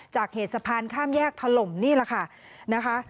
จากเหตุสะพานข้ามแยกถล่มนี่แหละค่ะนะคะ